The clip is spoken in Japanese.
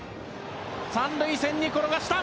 三塁線に転がした。